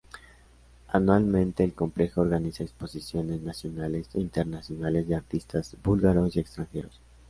Anualmente, el complejo organiza exposiciones nacionales e internacionales de artistas búlgaros y extranjeros.